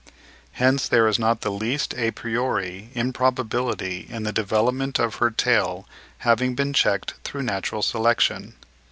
Hence there is not the least a priori improbability in the development of her tail having been checked through natural selection.